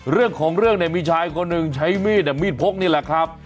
เรื่องของเรื่องเนี่ยมีชายคนหนึ่งใช้มีดมีดพกนี่แหละครับ